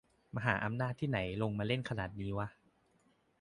"มหาอำนาจที่ไหนลงมาเล่นขนาดนี้วะ"